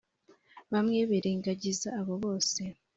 bamwe birengagiza abo bose